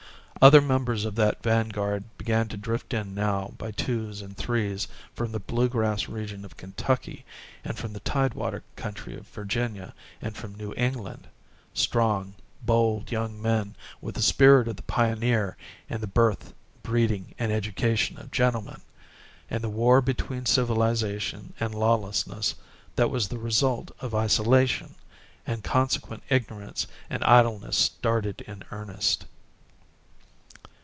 Other members of that vanguard began to drift in now by twos and threes from the bluegrass region of Kentucky and from the tide water country of Virginia and from New England strong, bold young men with the spirit of the pioneer and the birth, breeding and education of gentlemen, and the war between civilization and a lawlessness that was the result of isolation, and consequent ignorance and idleness started in earnest.